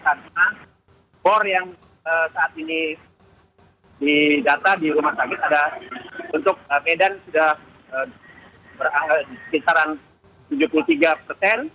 karena bor yang saat ini di data di rumah sakit untuk medan sudah berangkat di kisaran tujuh puluh tiga persen